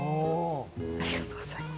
ありがとうございます。